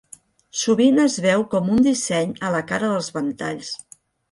Sovint es veu com un disseny a la cara dels ventalls.